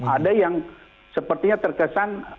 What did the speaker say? ada yang sepertinya terkesan sangat minim testnya